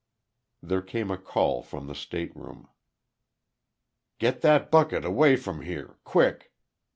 There came a call from the state room. "Get that bucket away from here. Quick!"